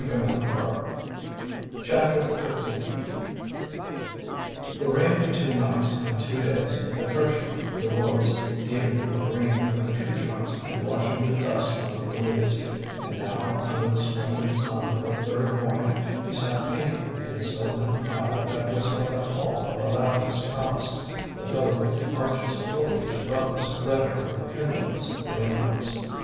CHAPTER XV The rain of two nights and two days had freshened the woods, deepening the green of the tree trunks and washing the dust from the leaves, and now, under the splendid sun of the third morning, we sat painting in a sylvan aisle that was like a hall of Aladdin's palace, the filigreed arches of foliage above us glittering with pendulous rain drops.